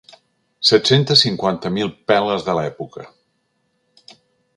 Set-centes cinquanta mil peles de l'època.